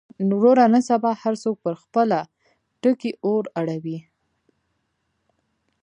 وروره نن سبا هر څوک پر خپله ټکۍ اور اړوي.